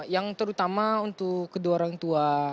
yang terutama untuk kedua orang tua